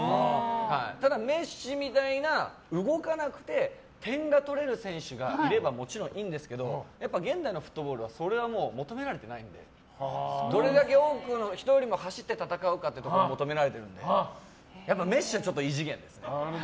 ただ、メッシみたいな動かなくて点が取れる選手がいればもちろんいいんですけど現代のフットボールはそれは求められていないのでどれだけ人よりも多く走って戦うかを求められているのでやっぱりメッシは異次元ですね。